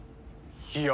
いや。